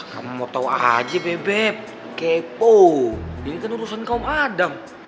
kamu mau tahu aja bebek kepo ini kan urusan kaum adam